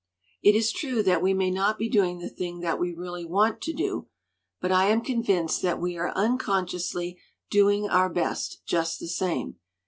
"It is true that we may not be doing the thing that we really want to do, but I am convinced that we are unconsciously doing our best, just the same.